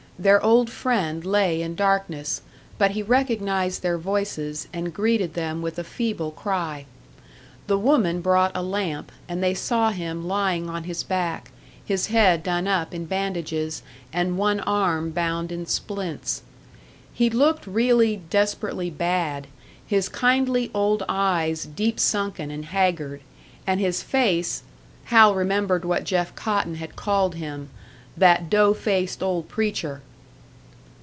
Their old friend lay in darkness, but he recognised their voices and greeted them with a feeble cry. The woman brought a lamp, and they saw him lying on his back, his head done up in bandages, and one arm bound in splints. He looked really desperately bad, his kindly old eyes deep sunken and haggard, and his face Hal remembered what Jeff Cotton had called him, "that dough faced old preacher!"